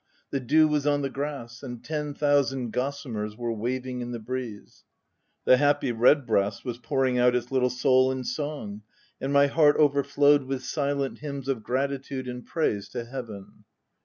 The dew was on the grass, and ten thousand gossamers were waving in the breeze ; the happy red breast was pouring out its little soul in song, and my heart over flowed with silent hymns of gratitude and praise to Heaven.